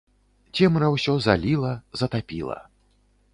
Цемра ўсё заліла, затапіла.